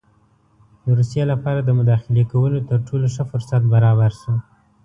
د روسیې لپاره د مداخلې کولو تر ټولو ښه فرصت برابر شو.